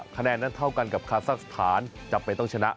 คะแนนนั้นเท่ากันกับคาซักสถานจำเป็นต้องชนะ